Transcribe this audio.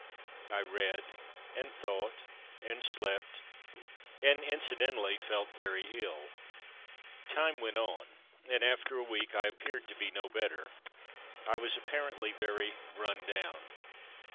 I read, and thought, and slept, and incidentally felt very ill. Time went on, and after a week I ap peared to be no better. I was apparently very "run down.''